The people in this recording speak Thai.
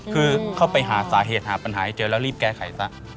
คือเข้าไปหาสาเหตุหาปัญหาให้เจอแล้วรีบแก้ไขซะ